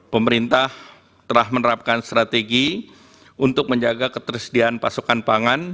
pemerintah telah menerapkan strategi untuk menjaga ketersediaan pasokan pangan